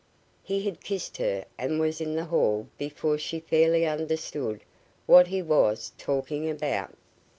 he had kissed her and was in the hall before she fairly understood what he was talking about.